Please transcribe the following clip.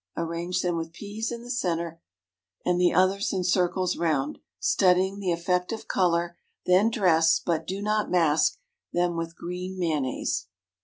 Arrange them with peas in the centre, and the others in circles round, studying the effect of color; then dress, but do not mask, them with green mayonnaise.